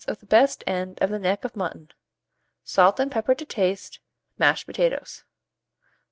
of the best end of the neck of mutton, salt and pepper to taste, mashed potatoes.